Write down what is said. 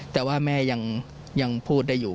แต่ว่าแม่ยังพูดได้อยู่